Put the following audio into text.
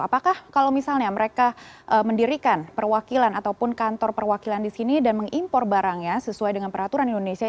apakah kalau misalnya mereka mendirikan perwakilan ataupun kantor perwakilan di sini dan mengimpor barangnya sesuai dengan peraturan indonesia